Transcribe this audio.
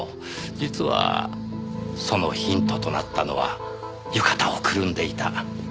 実はそのヒントとなったのは浴衣をくるんでいた風呂敷でした。